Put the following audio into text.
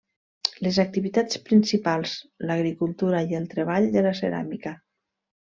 Les activitats principals l'agricultura i el treball de la ceràmica.